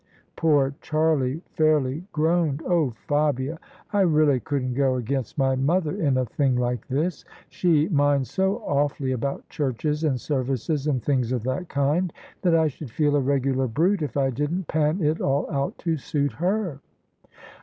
Poor Charlie fairly groaned. " Oh ! Fabia, I really couldn't go against my mother in a thing like this. She C187] THE SUBJECTION minds so awfully about churches and services and things of that kind, that I should feel a regular brute if I didn't pan it all out to suit her."